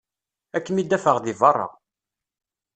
Ad kem-id-afeɣ deg berra.